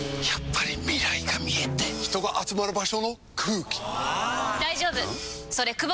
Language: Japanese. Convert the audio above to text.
やっぱり未来が見えて人が集まる場所の空気！